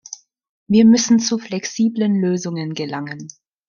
Wir müssen zu flexiblen Lösungen gelangen.